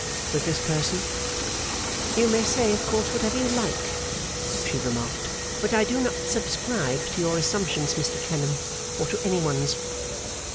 with this person ' 'You may say, of course, whatever you like,' she remarked; 'but I do not subscribe to your assumptions, Mr Clennam, or to any one's.